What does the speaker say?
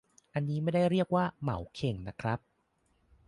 อันนี้ไม่ได้เรียกว่า 'เหมาเข่ง' นะครับ